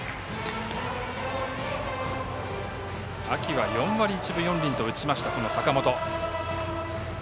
秋は４割１分４厘と打った坂本。